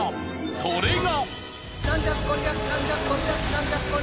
それが。